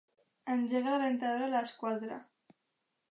Engega la rentadora a les quatre.